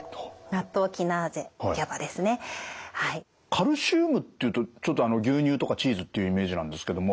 カルシウムっていうとちょっと牛乳とかチーズっていうイメージなんですけども。